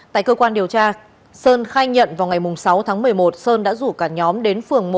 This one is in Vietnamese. tại cơ quan điều tra sơn khai nhận vào ngày sáu tháng một mươi một sơn đã rủ cả nhóm đến phường một